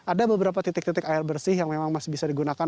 ada beberapa titik titik air bersih yang memang masih bisa digunakan